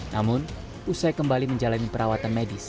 namun usai kembali menjalani perawatan medis